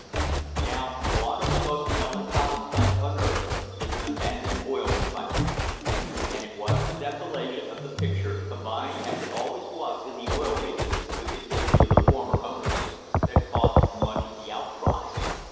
Now, one of the most melancholy sights on earth is an abandoned oil refinery; and it was the desolation of the picture, combined, as it always was in the Oil Regions, with the history of the former owners, that caused much of the out cry.